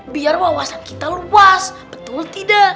biar wawasan kita luas betul tidak